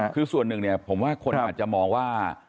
คือส่วนหนึ่งเนี่ยผมว่าคนอาจจะมองว่า